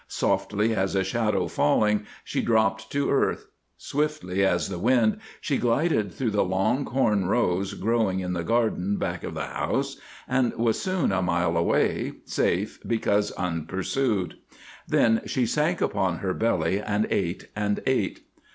Softly as a shadow falling she dropped to earth; swiftly as the wind she glided through the long corn rows growing in the garden back of the house, and was soon a mile away, safe, because unpursued. Then she sank upon her belly, and ate, and ate.